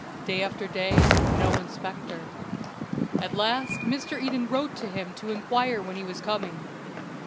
Day after day no inspector. At last Mr. Eden wrote to him to inquire when he was coming.